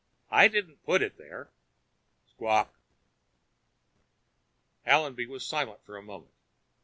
"I didn't put it there!" Squawk. Allenby was silent for a moment.